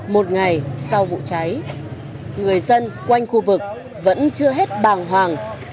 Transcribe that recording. một ngày sau vụ cháy người dân quanh khu vực vẫn chưa hết bàng hoàng